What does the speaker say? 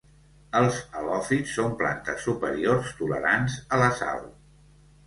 Els halòfits són plantes superiors tolerants a la sal.